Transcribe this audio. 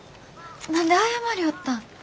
何で謝りょうったん？